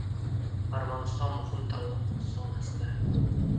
Armaniston muhim tanlov ostonasida